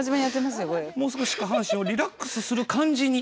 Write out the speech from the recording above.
もう少し下半身をリラックスする感じに。